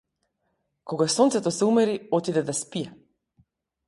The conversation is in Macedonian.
Кога сонцето се умори отиде да спие.